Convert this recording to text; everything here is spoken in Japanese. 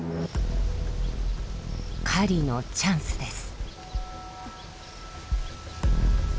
狩りのチャンスです。